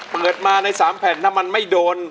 เปิดมาใน๓แผ่นถ้ามันไม่โดน